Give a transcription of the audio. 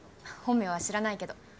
本名は知らないけど。